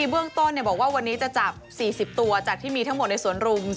ในพื้นที่เบื้องต้นบอกว่าวันนี้จะจับ๔๐ตัวจากที่มีทั้งหมดในสวนรุม๔๐๐ตัวนะคะ